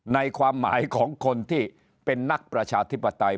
ความหมายของคนที่เป็นนักประชาธิปไตย